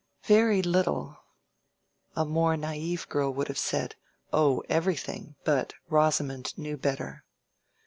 "Very little." (A more naive girl would have said, "Oh, everything!" But Rosamond knew better.)